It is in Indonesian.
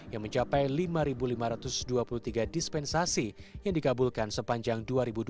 yang mencapai lima lima ratus dua puluh tiga dispensasi yang dikabulkan sepanjang dua ribu dua puluh